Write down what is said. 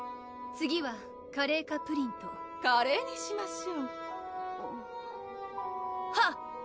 次はカレーかプリンとカレーにしましょう！はっ！